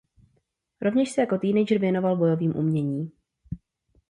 Rovněž se jako teenager věnoval bojovým umění.